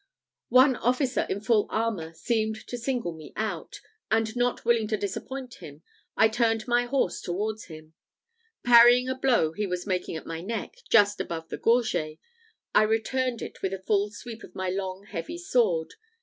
One officer in full armour seemed to single me out; and, not willing to disappoint him, I turned my horse towards him. Parrying a blow he was making at my neck, just above the gorget, I returned it with the full sweep of my long heavy sword.